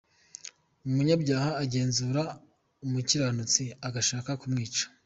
Umunyabyaha agenzura umukiranutsi, Agashaka kumwica.